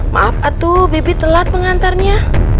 maaf atuh bibi telat mengantarnya